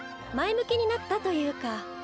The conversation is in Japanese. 前向きになったというか。